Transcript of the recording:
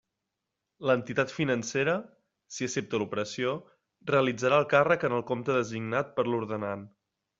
L'entitat financera, si accepta l'operació, realitzarà el càrrec en el compte designat per l'ordenant.